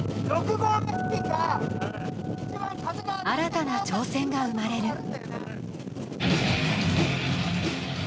新たな挑戦が生まれる。